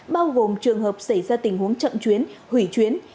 bao gồm trường hợp xảy ra tình huống chậm chuyến hủy chuyến